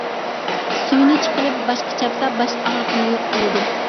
سۈيىنى چىقىرىپ باشقا چاپسا باش ئاغرىقىنى يوق قىلىدۇ.